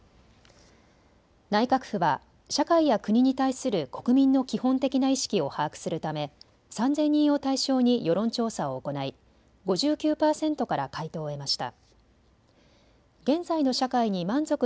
内閣府は社会や国に対する国民の基本的な意識を把握するため３０００人を対象に世論調査を行い５９％から回答を得ました。